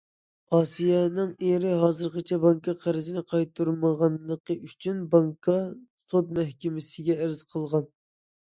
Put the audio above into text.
ئاسىيەنىڭ ئېرى ھازىرغىچە بانكا قەرزىنى قايتۇرمىغانلىقى ئۈچۈن، بانكا سوت مەھكىمىسىگە ئەرز قىلغان.